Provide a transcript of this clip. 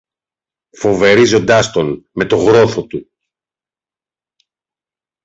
φοβερίζοντας τον με το γρόθο του.